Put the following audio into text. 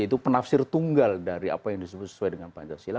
itu penafsir tunggal dari apa yang disebut sesuai dengan pancasila